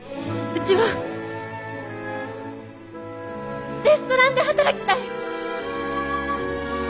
うちはレストランで働きたい！